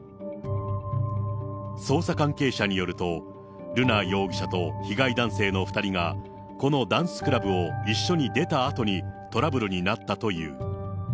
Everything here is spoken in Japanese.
捜査関係者によると、瑠奈容疑者と被害男性の２人が、このダンスクラブを一緒に出たあとに、トラブルになったという。